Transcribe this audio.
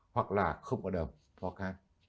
hoặc là không có đờm ho can